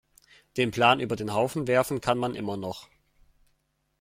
Den Plan über den Haufen werfen kann man immer noch.